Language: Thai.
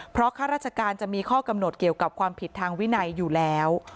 เพราะข้าราชการจะมีข้อกำหนดเกี่ยวกับความผิดทางวินัยอยู่แล้ว